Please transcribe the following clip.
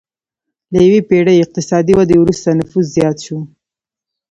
له یوې پېړۍ اقتصادي ودې وروسته نفوس زیات شو.